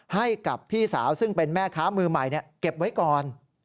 ให้กับพี่สาวซึ่งเป็นแม่ค้ามือใหม่เก็บไว้ก่อน